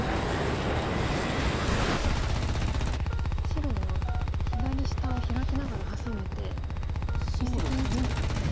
白は左下をヒラきながらハサめて一石二鳥ですね。